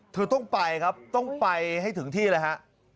เธอต้องไปครับต้องไปให้ถึงที่เลยฮะ